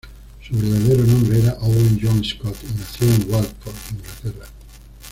Su verdadero nombre era Owen John Scott, y nació en Watford, Inglaterra.